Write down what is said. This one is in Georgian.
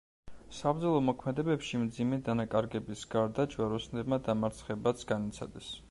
საბრძოლო მოქმედებებში მძიმე დანაკარგების გარდა ჯვაროსნებმა დამარცხებაც განიცადეს.